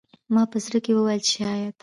ما په زړه کې وویل چې شاید